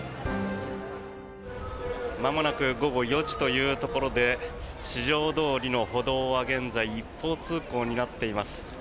まもなく午後４時というところで四条通の歩道は現在、一方通行になっています。